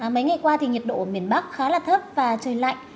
mấy ngày qua thì nhiệt độ ở miền bắc khá là thấp và trời lạnh